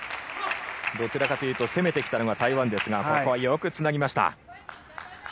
どちらかというと攻めてきたのは台湾ですがここは、よくつなぎました。